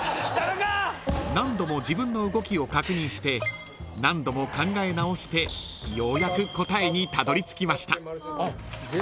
［何度も自分の動きを確認して何度も考え直してようやく答えにたどりつきました］